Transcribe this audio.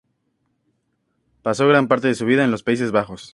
Pasó gran parte de su vida en los Países Bajos.